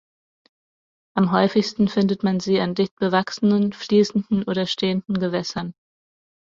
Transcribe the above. Am häufigsten findet man sie an dicht bewachsenen, fließenden oder stehenden Gewässern.